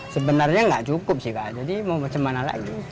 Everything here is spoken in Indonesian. sebenarnya enggak cukup sih kak jadi mau bagaimana lagi